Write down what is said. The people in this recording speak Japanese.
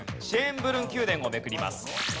シェーンブルン宮殿をめくります。